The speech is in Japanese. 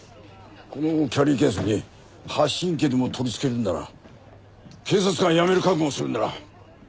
このキャリーケースに発信器でも取り付けるんなら警察官を辞める覚悟をするんだな。